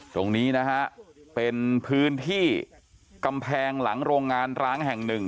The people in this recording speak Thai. ตรงนี้นะฮะเป็นพื้นที่กำแพงหลังโรงงานร้างแห่งหนึ่ง